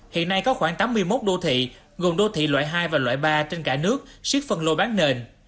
hiện nay có khoảng tám mươi một đô thị gồm đô thị loại hai và loại ba trên cả nước siết phần lô bán nền